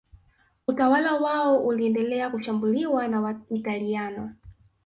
utawala wao uliendelea kushambuliwa na Waitaliano